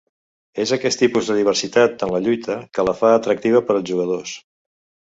És aquest tipus de diversitat en la lluita que la fa atractiva per als jugadors.